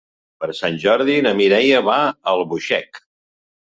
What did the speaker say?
Per Sant Jordi na Mireia va a Albuixec.